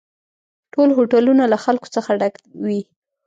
ټول هوټلونه له خلکو څخه ډک وي